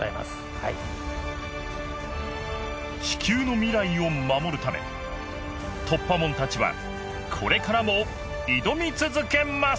はい地球の未来を守るため突破者たちはこれからも挑み続けます！